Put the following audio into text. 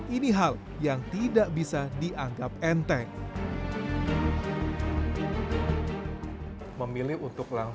ini hal yang tidak bisa dianggap enteng